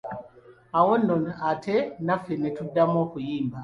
Awo nno ate naffe netuddamu okuyimba.